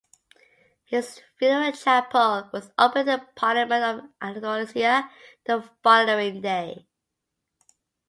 His funeral chapel was opened in the Parliament of Andalusia the following day.